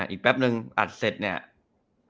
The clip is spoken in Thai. อีกแป๊บนึงอัดเสร็จเนี่ย